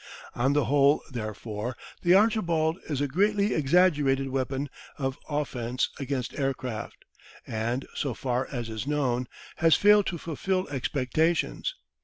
On the whole therefore, the "Archibald" is a greatly exaggerated weapon of offence against aircraft, and, so far as is known, has failed to fulfil expectations.